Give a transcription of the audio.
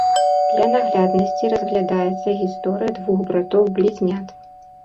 Для нагляднасці разглядаецца гісторыя двух братоў-блізнят.